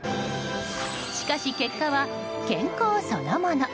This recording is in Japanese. しかし、結果は健康そのもの。